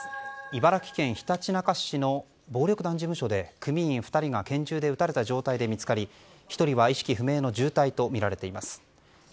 茨城県ひたちなか市の暴力団事務所で組員２人が拳銃で撃たれた状態で見つかり１人は意識不明の重体とみられています。